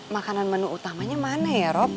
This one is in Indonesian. makanan menu utamanya mana ya rob